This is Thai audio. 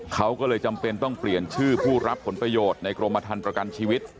เขาก็เลยจำเป็นต้องเปลี่ยนชื่อผู้รับผลประโยชน์ในกรมธรรมประกันชีวิต